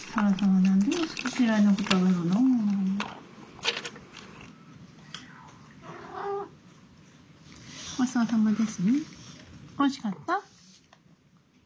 おいしかった？